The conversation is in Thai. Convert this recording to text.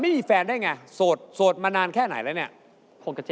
ไม่มีแฟนได้ไงโสดมานานแค่ไหนแล้วเนี่ย